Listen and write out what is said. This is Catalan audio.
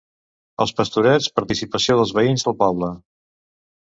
Els pastorets: participació dels veïns del poble.